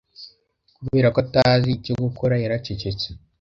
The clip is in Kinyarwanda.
Kubera ko atazi icyo gukora, yaracecetse.